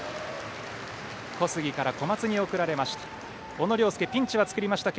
小杉から小松に送られました。